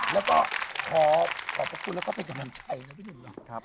แล้วก็ขอบพระคุณแล้วก็เป็นกำลังใจนะครับ